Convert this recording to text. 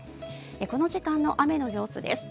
この時間の雨の様子です。